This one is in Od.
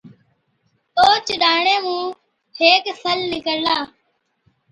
اوهچ ڏاڻي مُون هيڪ سل نِڪرلا۔